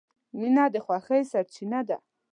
• مینه د خوښۍ سرچینه ده.